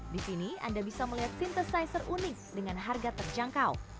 di sini anda bisa melihat sintesizer unik dengan harga terjangkau